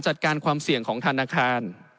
จัดการความเสี่ยงของธนาคาร